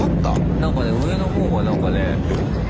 何かね上の方が何かね。